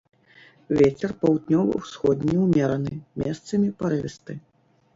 Вецер паўднёва-ўсходні ўмераны, месцамі парывісты.